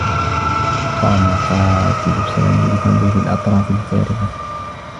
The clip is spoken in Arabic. قام قاتل سامي بتنظيف الأظراف الفارغة.